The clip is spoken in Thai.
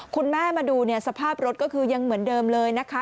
คุณแม่มาดูสภาพรถก็คือยังเหมือนเดิมเลยนะคะ